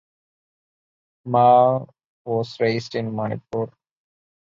Hmar was raised in Manipur.